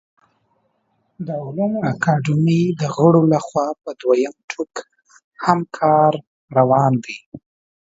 د علومو اکاډمۍ د غړو له خوا په دویم ټوک هم کار روان دی